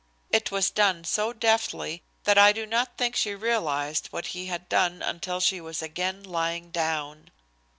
It was done so deftly that I do not think she realized what he had done until she was again lying down.